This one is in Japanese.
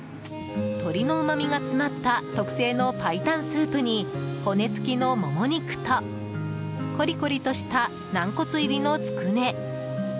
鶏のうまみが詰まった特製の白湯スープに骨付きのモモ肉とコリコリとした軟骨入りのつくね